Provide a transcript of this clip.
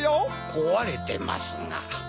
こわれてますが。